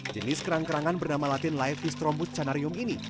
jenis kerang kerangan bernama latin laius trombus canarium ini